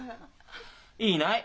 いいない。